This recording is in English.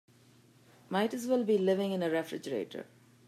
Might as well be living in a refrigerator.